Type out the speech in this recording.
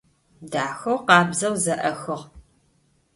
Дахэу, къабзэу зэӏэхыгъ.